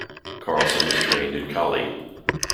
Carlson is trained in Kali.